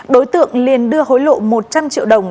đối tượng liền đưa hối lộ một trăm linh triệu đồng